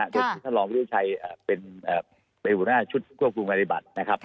โดยที่ท่านรองวิทยาชัยเป็นหัวหน้าชุดควบคุมการปฏิบัตินะครับ